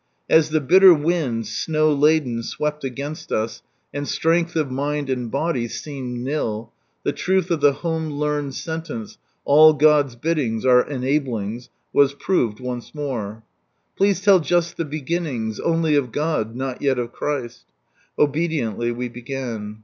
As the bitter wind, snow laden, swept against us, and strength of mind and body seemed nil, the truth of the home learned sentence, " All God's biddings are enablings," was proved once more. "Please tell just the beginnings, only of God, not yel of Christ." Obediently we began.